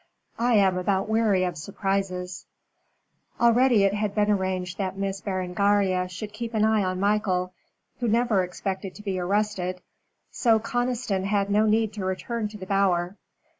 "I am about weary of surprises." Already it had been arranged that Miss Berengaria should keep an eye on Michael who never expected to be arrested so Conniston had no need to return to the Bower.